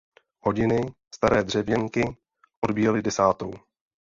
Hodiny, staré dřevěnky, odbíjely desátou.